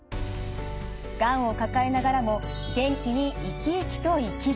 がんを抱えながらも元気に生き生きと生きる。